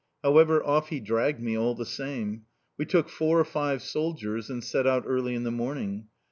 "However, off he dragged me, all the same. We took four or five soldiers and set out early in the morning.